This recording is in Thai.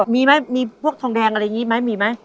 มีไหมมีพวกทองแดงอะไรอย่างนี้ไหมมีไหม